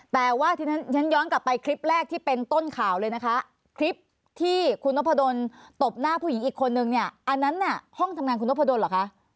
แต่ว่าทีนี้ฉันย้อนกลับไปคลิปแรกที่เป็นต้นข่าวเลยนะคะคลิปที่คุณนพดลตบหน้าผู้หญิงอีกคนนึงเนี่ยอันนั้นน่ะห้องทำงานคุณนพดลเหรอคะ